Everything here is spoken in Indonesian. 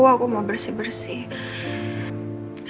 aku mau bersih bersih